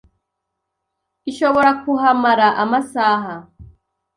ishobora kuhamara amasaha